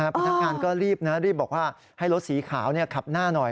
พนักงานก็รีบนะรีบบอกว่าให้รถสีขาวขับหน้าหน่อย